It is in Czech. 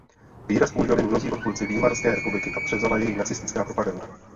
Výraz používali mnozí odpůrci Výmarské republiky a převzala jej nacistická propaganda.